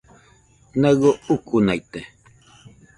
Naɨio ukunaite